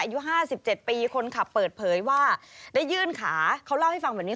อายุ๕๗ปีคนขับเปิดเผยว่าได้ยื่นขาเขาเล่าให้ฟังแบบนี้